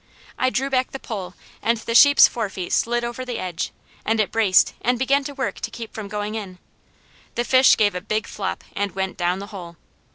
I drew back the pole, and the sheep's forefeet slid over the edge, and it braced and began to work to keep from going in. The fish gave a big flop and went down the hole.